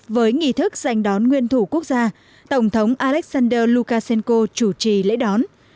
với nghi thức giành đón nguyên thủ quốc gia tổng thống alexander lukashenko chủ trì lễ đón